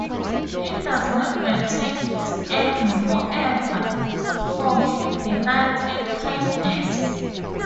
He does not maintain His anger forever, for He delights in kindness.